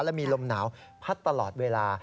และมีลมหนาวพัดตลอดเวลา